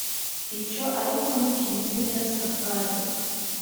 icyo ariko ntikinyuze nyirasafari.